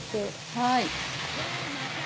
はい。